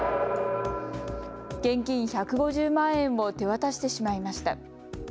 現金１５０万円を手渡してしまいました。